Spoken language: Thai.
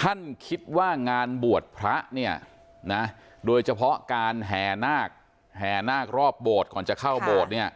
ท่านคิดว่างานบวชพระเนี่ยนะโดยเฉพาะการแห่นาคแห่นาครอบโบสถ์ก่อนจะเข้าโบสถ์เนี่ย